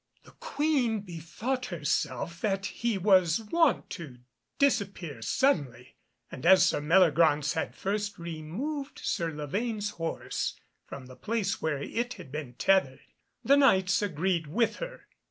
The Queen bethought herself that he was wont to disappear suddenly, and as Sir Meliagraunce had first removed Sir Lavaine's horse from the place where it had been tethered, the Knights agreed with her.